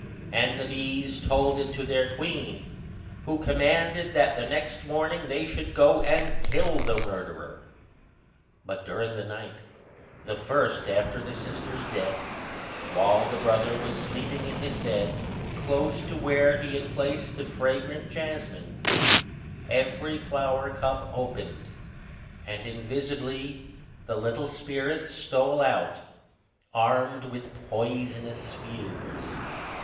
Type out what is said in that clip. And the bees told it to their queen, who commanded that the next morning they should go and kill the murderer. But during the night, the first after the sister's death, while the brother was sleeping in his bed, close to where he had placed the fragrant jasmine, every flower cup opened, and invisibly the little spirits stole out, armed with poisonous spears.